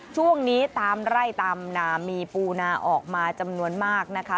ช่วงนี้ตามไร่ตามนามีปูนาออกมาจำนวนมากนะคะ